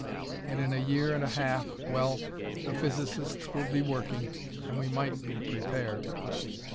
And in a year and a half well, the physicists would be working and we might be prepared.